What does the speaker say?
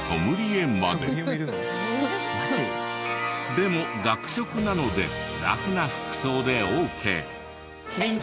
でも学食なのでラフな服装でオーケー。